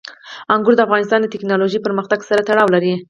انګور د افغانستان د تکنالوژۍ پرمختګ سره تړاو لري.